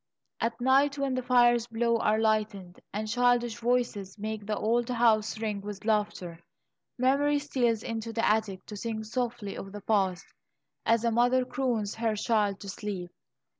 At night, when the fires below are lighted, and childish voices make the old house ring with laughter, Memory steals into the attic to sing softly of the past, as a mother croons her child to sleep.